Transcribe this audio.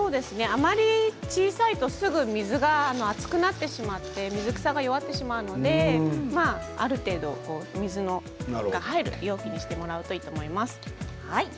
あまり小さいとすぐに水が熱くなってしまって水草が弱ってしまうのである程度、水が入る容器にしてもらうといいと思います。